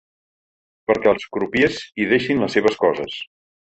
Perquè els crupiers hi deixin les seves coses.